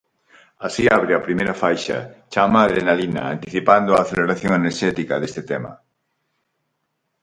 Así abre a primeira faixa, "Chama Adrenalina", anticipando a aceleración enerxética deste tema.